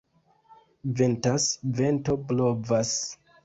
Ventas, vento blovas.